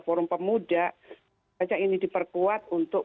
forum pemuda ini diperkuat untuk